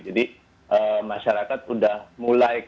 jadi masyarakat sudah mulai